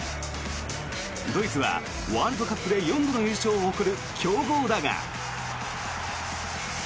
ドイツはワールドカップで４度の優勝を誇る強豪だが。